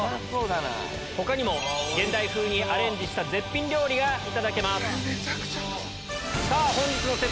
他にも現代風にアレンジした絶品料理がいただけます。